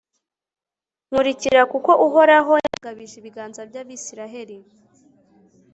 nkurikira, kuko uhoraho yabagabije ibiganza by'abayisraheli